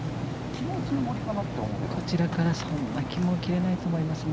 こちらからはそんなに切れないと思いますね。